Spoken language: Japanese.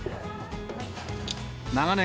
長年、